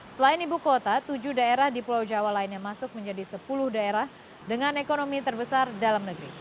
selain ibu kota tujuh daerah di pulau jawa lainnya masuk menjadi sepuluh daerah dengan ekonomi terbesar dalam negeri